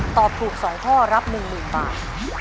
ตอบถูก๒ข้อรับ๑๐๐๐บาท